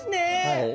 はい。